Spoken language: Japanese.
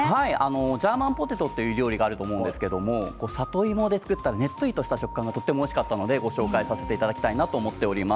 ジャーマンポテトという料理があると思うんですが里芋で作ったねっとりした食感がとてもおいしかったのでご紹介させていただこうと思います。